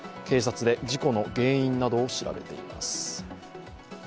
警察で事故の原因などを調べています。